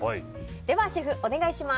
ではシェフ、お願いします。